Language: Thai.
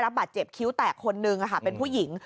นัดนั้นอีกเรื่องนึง